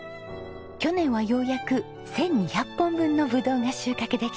去年はようやく１２００本分のブドウが収穫できたんです。